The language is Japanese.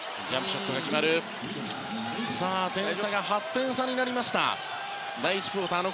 点差が８点差になりました。